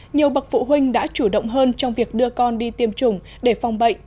nhiều bậc phụ huynh đã chủ động hơn trong việc đưa con đi tiêm chủng để phòng bệnh